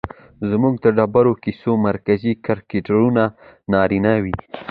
زموږ د ډېرو کيسو مرکزي کرکټرونه نارينه وي